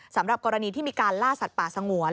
สำหรับกรณีที่มีการล่าสัตว์ป่าสงวน